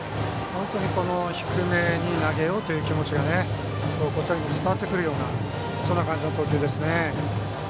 低めに投げようという気持ちがこちらに伝わってくるような感じの投球ですね。